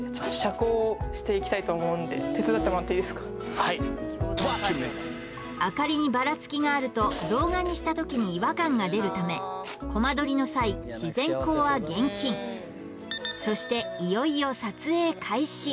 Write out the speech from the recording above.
はい明かりにばらつきがあると動画にしたときに違和感が出るためコマ撮りの際自然光は厳禁そしていよいよ撮影開始